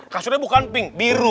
kasurnya bukan pink biru